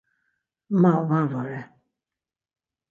Ma var vore.